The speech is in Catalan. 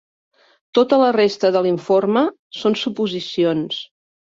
Tota la resta de l'informe són suposicions.